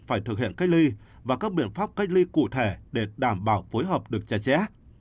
phải thực hiện cách ly và các biện pháp cách ly cụ thể để đảm bảo phối hợp được chặt chẽ